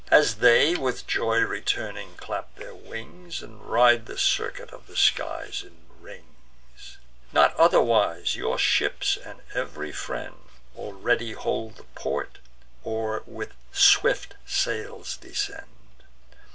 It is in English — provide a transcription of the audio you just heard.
As they, with joy returning, clap their wings, And ride the circuit of the skies in rings; Not otherwise your ships, and ev'ry friend, Already hold the port, or with swift sails descend.